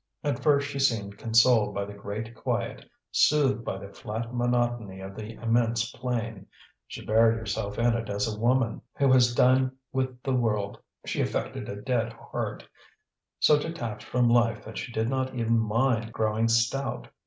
At first she seemed consoled by the great quiet, soothed by the flat monotony of the immense plain; she buried herself in it as a woman who has done with the world; she affected a dead heart, so detached from life that she did not even mind growing stout.